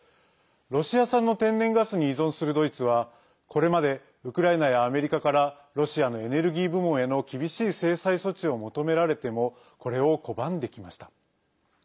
ロシア産の天然ガスに依存するドイツはこれまでウクライナやアメリカからロシアのエネルギー部門への厳しい制裁措置を求められてもこれを拒んできました。